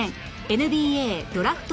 ＮＢＡドラフト